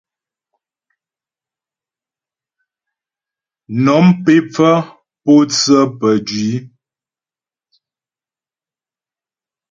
Nɔ̀m pé pfə́ pǒtsə pə́jwǐ.